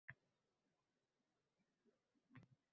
Agar o’zim bersam ta’ziringizni.